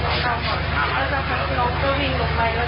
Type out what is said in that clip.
หลังจากนั้นก็เกิดการยิงกัน